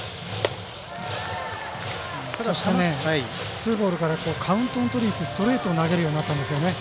ツーボールからカウントを取りにいくストレートを投げるようになったんでよね。